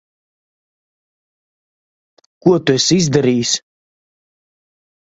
Ko tu esi izdarījis?